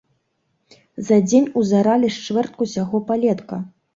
За дзень узаралі з чвэртку ўсяго палетка.